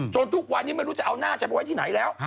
ทุกวันนี้ไม่รู้จะเอาหน้าจะไปไว้ที่ไหนแล้ว